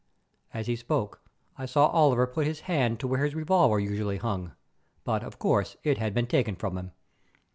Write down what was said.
As he spoke I saw Oliver put his hand to where his revolver usually hung, but, of course, it had been taken from him.